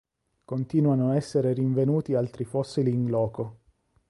Continuano a essere rinvenuti altri fossili in loco.